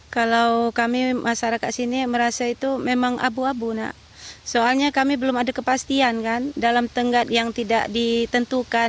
kalau kami masyarakat sini merasa itu memang abu abu nak soalnya kami belum ada kepastian kan dalam tenggat yang tidak ditentukan